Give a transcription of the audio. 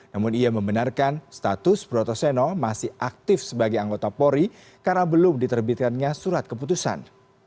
namun ia membenarkan status brotoseno masih aktif sebagai anggota polri karena belum diterbitkannya surat keputusan